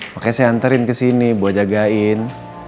makanya saya anterin kesini gue jagain